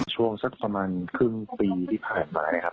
ช่วงสักประมาณครึ่งปีที่ผ่านมานะครับ